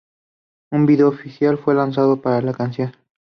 Un video oficial fue lanzado para la canción.